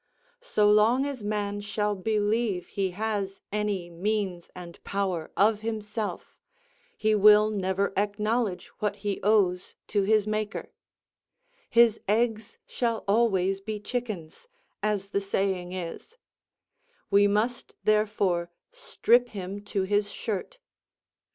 So long as man shall believe he has any means and power of himself, he will never acknowledge what he owes to his Maker; his eggs shall always be chickens, as the saying is; we must therefore strip him to his shirt.